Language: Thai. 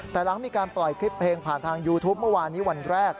แต่หลังมีการปล่อยคลิปเพลงผ่านทางยูทูปเมื่อวานนี้วันแรก